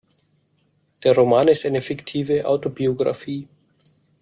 Der Roman ist eine fiktive Autobiographie.